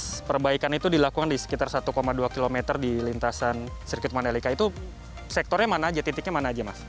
proses perbaikan itu dilakukan di sekitar satu dua km di lintasan sirkuit mandalika itu sektornya mana aja titiknya mana aja mas